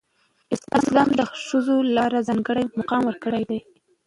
اسلام د ښځو لپاره ځانګړی مقام ورکړی دی.